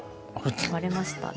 割れましたね。